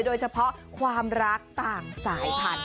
โดยเฉพาะความรักต่างสายพันธุ